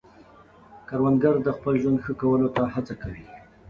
کروندګر د خپل ژوند ښه کولو ته هڅه کوي